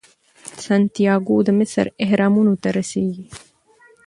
سانتیاګو د مصر اهرامونو ته رسیږي.